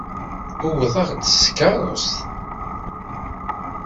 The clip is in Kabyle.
Uwḍeɣ-d s tkeṛṛust.